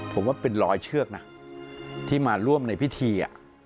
ผมว่าเป็นร้อยเชือกนะที่มาร่วมในพิธี